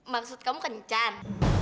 maksud kamu kencan